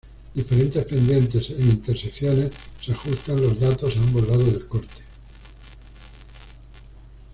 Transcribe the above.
Diferentes pendientes e intersecciones se ajustan los datos a ambos lados del corte.